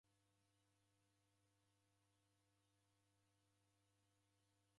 Vilongozi w'aw'ialwa w'eni aghadi yaw'o.